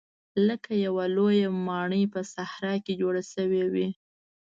لکه یوه لویه ماڼۍ په صحرا کې جوړه شوې وي.